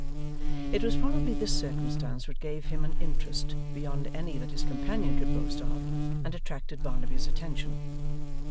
It was probably this circumstance which gave him an interest beyond any that his companion could boast of, and attracted Barnaby's attention.